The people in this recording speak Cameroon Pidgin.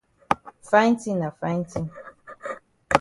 Fine tin na fine tin.